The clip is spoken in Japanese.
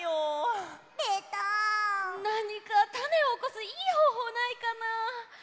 なにかタネをおこすいいほうほうないかな？